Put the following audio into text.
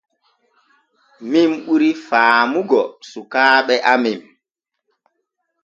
Min ɓuri faamingo sukaaɓe amen.